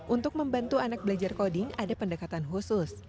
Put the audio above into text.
untuk membantu anak belajar koding ada pendekatan khusus